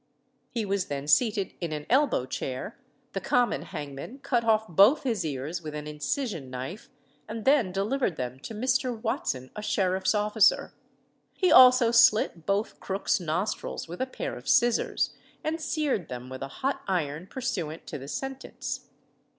He was then seated in an elbow chair; the common hangman cut off both his ears with an incision knife, and then delivered them to Mr. Watson, a sheriff's officer. He also slit both Crook's nostrils with a pair of scissors, and seared them with a hot iron, pursuant to the sentence.